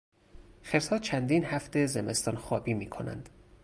خرسها چندین هفته زمستانخوابی میکنند.